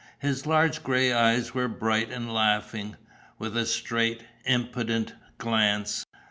His large grey eyes were bright and laughing, with a straight, impudent glance.